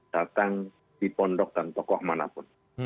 datang di pondok dan tokoh manapun